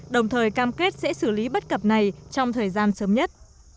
đồng thời cam kết sẽ xử lý bất cập này trong thời gian sớm nhất